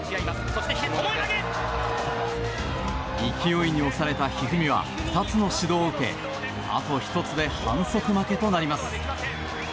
勢いに押された一二三は２つの指導を受けあと１つで反則負けとなります。